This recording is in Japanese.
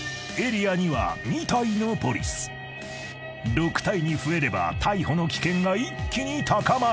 ［６体に増えれば逮捕の危険が一気に高まる］